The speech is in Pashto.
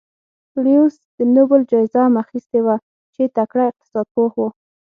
لیوس د نوبل جایزه هم اخیستې وه چې تکړه اقتصاد پوه و.